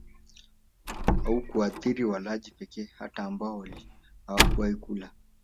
haukuathiri walaji pekee hata ambao hawakuwahi kula